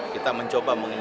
kita mencoba mengingatkan